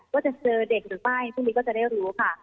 ว่าจะเจอเด็กหรือไม่พรุ่งนี้ก็จะได้รู้ค่ะ